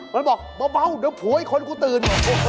เขาบอกเบาเดี๋ยวผัวไอ้คนกูตื่น